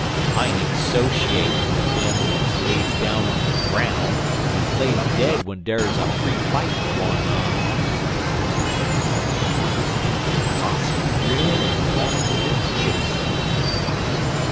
I ain't soshatin' wid dem w'at lays down on de groun' en plays dead w'en dar's a free fight gwine on,' sezee. "Den Brer Possum grin en laugh fit to kill hisse'f.